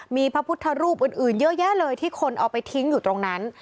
มีพระพุทธรูปอื่นเยอะแยะเลยที่คนเอาไปทิ้งอยู่ตรงนั้น